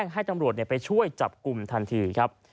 ให้ตำรวจไปช่วยจับกลุ่มทันทีครับ